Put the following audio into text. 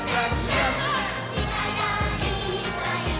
「ちからいっぱい」